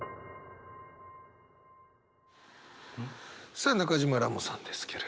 さあ中島らもさんですけれど。